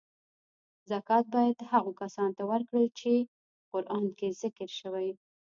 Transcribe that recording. زکات باید هغو کسانو ته ورکړل چی قران کې ذکر شوی .